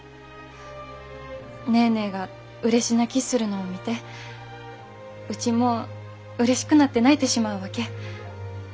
ネーネーがうれし泣きするのを見てうちもうれしくなって泣いてしまうわけ。